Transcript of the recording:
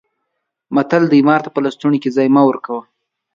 متل دی: مار ته په لستوڼي کې ځای مه ورکوه.